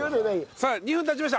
さあ２分経ちました。